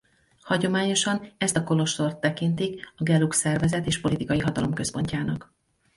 Hagyományosan ezt a kolostort tekintik a Gelug szervezet és politikai hatalom központjának.